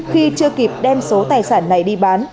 khi chưa kịp đem số tài sản này đi bán